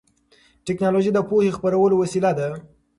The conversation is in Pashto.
ټیکنالوژي د پوهې خپرولو وسیله ده.